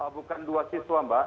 bukan dua siswa mbak